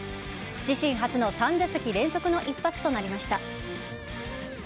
自身初の３打席連続の一発となりました。